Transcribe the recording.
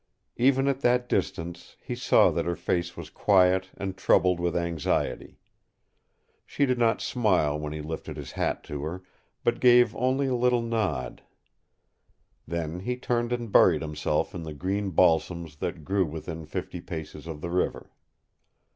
Even at that distance he saw that her face was quiet and troubled with anxiety. She did not smile when he lifted his hat to her, but gave only a little nod. Then he turned and buried himself in the green balsams that grew within fifty paces of the river.